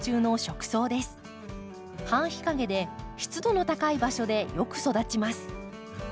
半日陰で湿度の高い場所でよく育ちます。